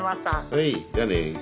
はいじゃあね。